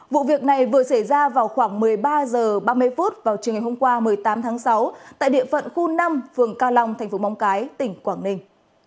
vụ việc này vừa xảy ra vào khoảng một mươi ba h ba mươi vào trường hình hôm qua một mươi tám tháng sáu tại địa phận khu năm phường cao long tp mong cái tỉnh quảng ninh